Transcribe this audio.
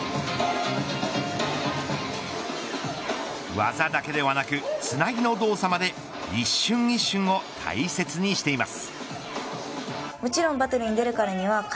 技だけではなくつなぎの動作まで一瞬一瞬を大切にしています。